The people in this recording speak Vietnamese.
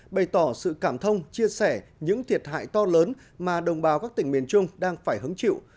bày tỏ sự cảm thông chia sẻ những thiệt hại to lớn mà đồng bào các tỉnh miền trung đang phải hứng chịu